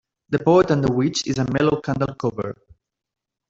"The Poet and The Witch" is a Mellow Candle cover.